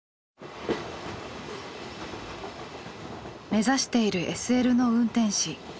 目指しているＳＬの運転士。